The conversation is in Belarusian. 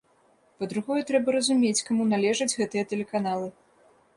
Па-другое, трэба разумець, каму належаць гэтыя тэлеканалы.